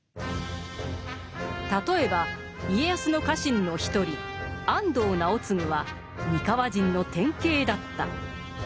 例えば家康の家臣の一人安藤直次は三河人の典型だった。